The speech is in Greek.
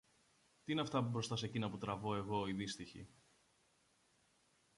Τι είναι αυτά μπροστά σε κείνα που τραβώ εγώ, η δύστυχη!